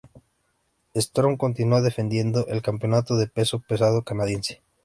Storm continuó defendiendo el Campeonato de Peso Pesado Canadiense.